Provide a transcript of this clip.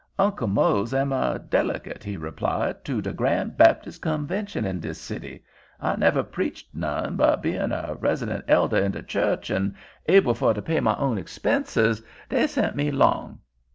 "Uncle Mose am a delicate," he explained, "to de grand Baptis' convention in dis city. I never preached none, but bein' a residin' elder in de church, and able fur to pay my own expenses, dey sent me along."